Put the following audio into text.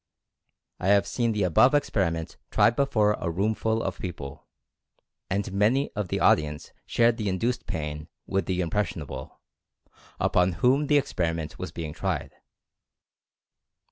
I have seen the above experiment tried before a room full of people, and many of the audience shared the induced pain with the "impressionable" upon whom the experiment was being tried.